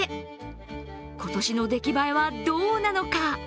今年の出来栄えはどうなのか。